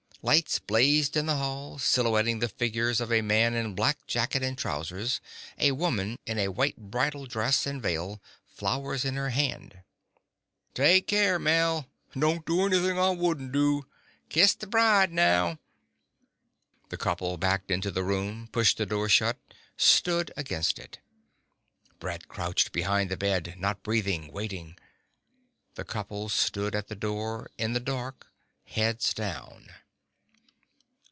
Lights blazed in the hall, silhouetting the figures of a man in black jacket and trousers, a woman in a white bridal dress and veil, flowers in her hand. "Take care, Mel!" "... do anything I wouldn't do!" "... kiss the bride, now!" The couple backed into the room, pushed the door shut, stood against it. Brett crouched behind the bed, not breathing, waiting. The couple stood at the door, in the dark, heads down